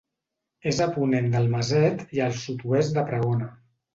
És a ponent del Maset i al sud-oest de Pregona.